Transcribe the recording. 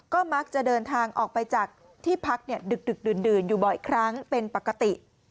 ก็มักจะเดินทางออกไปจากที่พักดึกดื่นอยู่บ่อยครั้งเป็นปกติ